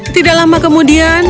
tidak lama kemudian